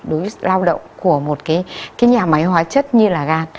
đối với lao động của một cái nhà máy hóa chất như là gan